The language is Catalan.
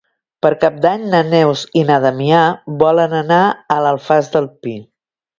Per Cap d'Any na Neus i na Damià volen anar a l'Alfàs del Pi.